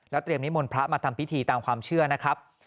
เตรียมนิมนต์พระมาทำพิธีตามความเชื่อนะครับ